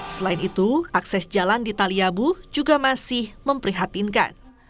selain itu akses jalan di taliabu juga masih memprihatinkan